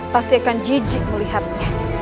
pasti akan jijik melihatnya